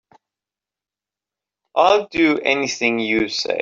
I'll do anything you say.